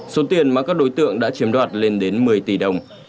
số tiền mà các đối tượng đã chiếm đoạt lên đến một mươi tỷ đồng